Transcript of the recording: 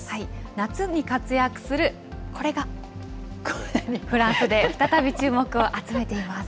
夏に活躍するこれが、フランスで再び注目を集めています。